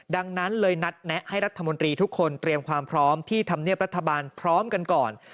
ดังนั้นเลยนัดแนะให้รัฐมนตรีทุกคนเตรียมความพร้อมที่ธรรมเนียบรัฐบาลพร้อมกันก่อน